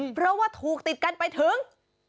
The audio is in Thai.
เพราะว่าถูกติดกันไปถึง